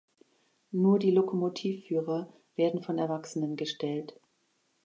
Nur die Lokomotivführer werden von Erwachsenen gestellt.